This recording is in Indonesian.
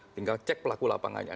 tinggal cek pelaku lapangannya